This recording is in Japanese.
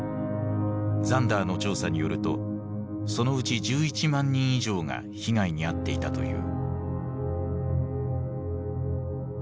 ザンダーの調査によるとそのうち１１万人以上が被害に遭っていたという。